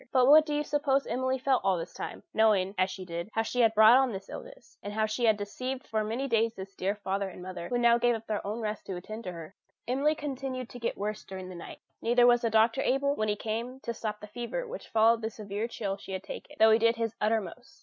But what do you suppose Emily felt all this time, knowing, as she did, how she had brought on this illness, and how she had deceived for many days this dear father and mother, who now gave up their own rest to attend her? Emily continued to get worse during the night: neither was the doctor able, when he came, to stop the fever which followed the severe chill she had taken, though he did his uttermost.